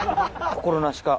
心なしか。